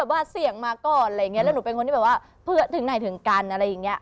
ว่าเสี่ยงมาก่อนอะไรอย่างนี้แล้วหนูเป็นคนที่แบบว่าเพื่อนถึงไหนถึงกันอะไรอย่างเงี้ย